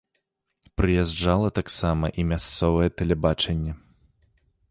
Прыязджала таксама і мясцовае тэлебачанне.